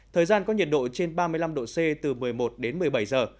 thời gian có nhiệt độ trên ba mươi năm độ c từ một mươi một đến một mươi bảy giờ